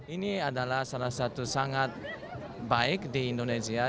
ini adalah salah satu sangat baik di indonesia